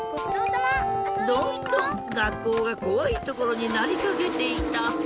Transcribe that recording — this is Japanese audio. どんどんがっこうがこわいところになりかけていた。